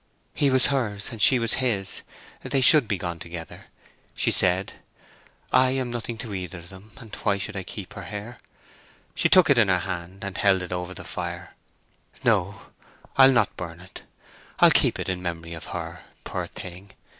"He was hers and she was his; they should be gone together," she said. "I am nothing to either of them, and why should I keep her hair?" She took it in her hand, and held it over the fire. "No—I'll not burn it—I'll keep it in memory of her, poor thing!"